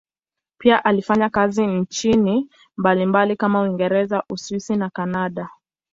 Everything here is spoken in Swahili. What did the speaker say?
Pia alifanya kazi nchini mbalimbali kama Uingereza, Uswisi na Kanada.